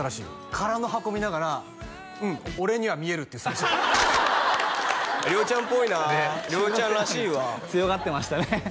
空の箱見ながら「うん俺には見える」って言ったらしい涼ちゃんっぽいな涼ちゃんらしいわ強がってましたね